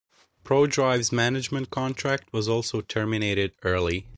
Prodrive's management contract was also terminated early.